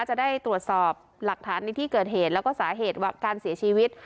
จะได้ตรวจสอบหลักฐานในที่เกิดเหตุแล้วก็สาเหตุการเสียชีวิต